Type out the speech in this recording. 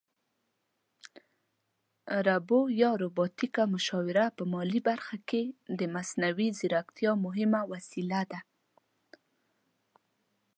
روبو یا روباټیکه مشاوره په مالي برخه کې د مصنوعي ځیرکتیا مهمه وسیله ده